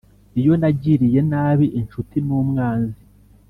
iyo nagiriye nabi inshuti n'umwanzi.